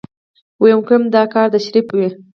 ويم که دا کار د شريف وي.